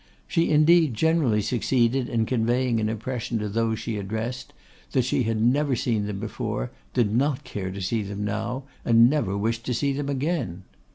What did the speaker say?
She indeed generally succeeded in conveying an impression to those she addressed, that she had never seen them before, did not care to see them now, and never wished to see them again.